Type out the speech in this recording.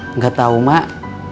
enggak tahu mak